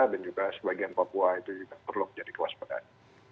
dan juga sebagian papua itu juga perlu menjadi kuas badan